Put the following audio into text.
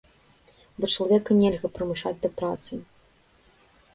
Бо чалавека нельга прымушаць да працы.